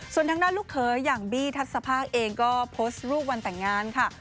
ส่วนทางด้านลูกเขยอย่างบี้ทัศภาคเองก็โพสต์รูปวันแต่งงานค่ะ